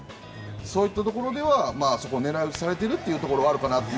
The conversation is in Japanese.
そういったところでは狙い撃ちされているということもあるかなと。